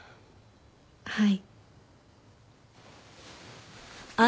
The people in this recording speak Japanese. はい。